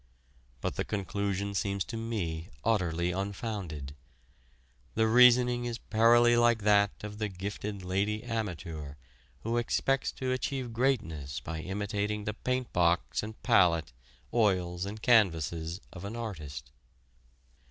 But the conclusion seems to me utterly unfounded. The reasoning is perilously like that of the gifted lady amateur who expects to achieve greatness by imitating the paint box and palette, oils and canvases of an artist.